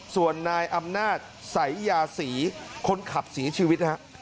ส่วนนายอำนาจสายยาศรีคนขับเสียชีวิตนะฮะ